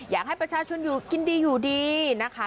อยากให้ประชาชนอยู่กินดีอยู่ดีนะคะ